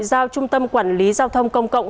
giao trung tâm quản lý giao thông công cộng